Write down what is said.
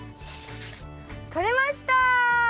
とれました！